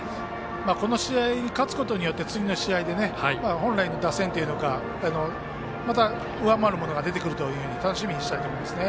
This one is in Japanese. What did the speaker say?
この試合に勝つことで次の試合で本来の打線というかまた上回るものが出てくると楽しみにしたいと思いますね。